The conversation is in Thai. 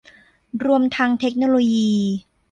รวมทั้งเทคโนโลยี